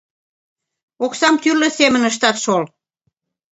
Оксам тӱрлӧ семын ыштат шол.